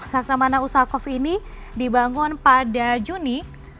laksamana usakov ini dibangun pada juni seribu sembilan ratus tujuh puluh tiga